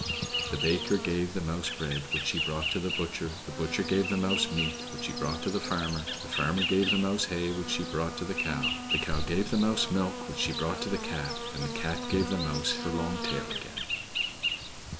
The baker gave the Mouse bread, which she brought to the butcher; the butcher gave the Mouse meat, which she brought to the farmer; the farmer gave the Mouse hay, which she brought to the cow; the cow gave the Mouse milk, which she brought to the Cat; and the Cat gave to the Mouse her long tail again.